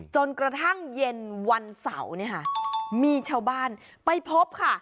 จนกระทั่งเย็นวันเสาร์มีชาวบ้านไปพบค่ะ